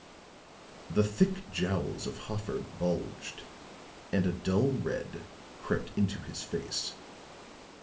The thick jowls of Holler bulged, and a dull red crept into his face.